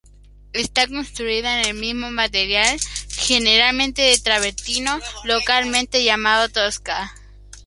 Está construida en el mismo material, generalmente de travertino, localmente llamado "tosca.